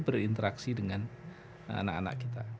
berinteraksi dengan anak anak kita